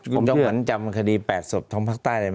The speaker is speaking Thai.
กลุ่มดอก่อนจำคดี๘ศพท้องภาคใต้ได้ไหม